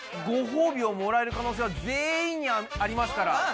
ごほうびをもらえる可能性は全員にありますから。